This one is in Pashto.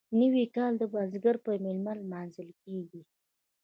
نوی کال د بزګر په میله لمانځل کیږي.